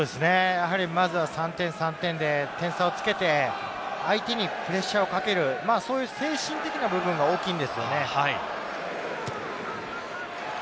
まずは３点３点で点差をつけて相手にプレッシャーをかける、精神的な部分が大きいんですよね。